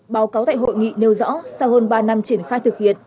báo cáo tại hội nghị nêu rõ sau hơn ba năm triển khai thực hiện